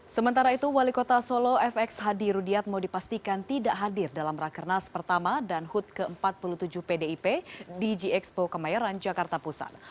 sementara itu wali kota solo fx hadi rudiatmo dipastikan tidak hadir dalam rakernas pertama dan hud ke empat puluh tujuh pdip di g expo kemayoran jakarta pusat